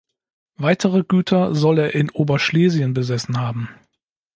Weitere Güter soll er in Oberschlesien besessen haben.